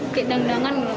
jadi di dendangan